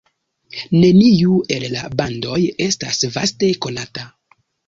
Neniu el la bandoj estas vaste konata.